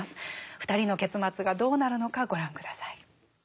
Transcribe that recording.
２人の結末がどうなるのかご覧下さい。